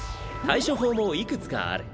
対処法もいくつかある。